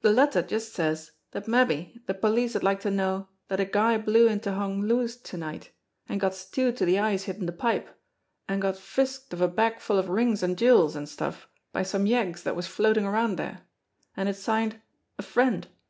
De letter just says dat mabbe de police'd like to know dat a guy blew into Hoy Foo's to night, an' got stewed to de eyes hittin' de pipe, an' got frisked of a bagful of rings an' jewels an' stuff by some yeggs dat was floatin' around dere. An' it's signed: 'A Friend.'